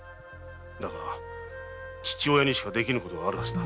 だが父親にしかできぬことがあるはずだ。